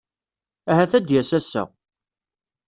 Ahat ad d-yas ass-a.